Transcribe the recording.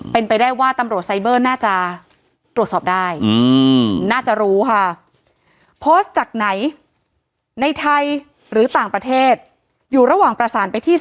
เป็นไปได้ว่าตำรวจไซเบอร์น่าจะตรวจสอบได้